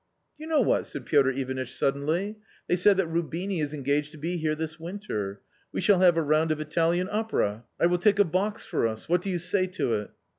"Do you know what?" said Piotr Ivanitch suddenly, " they say that Rubini is engaged to be here this winter ; we shall have a round of Italian Opera ; I will take a box for us .... what do you say to it